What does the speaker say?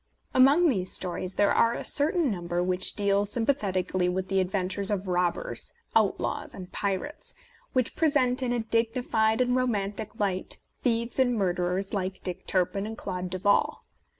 Among these stories there are a certain number which deal sympathetically with the adventures of robbers, outlaws and pirates, which present in a dignified and ro mantic light thieves and murderers like Dick Turpin and Claude Duval.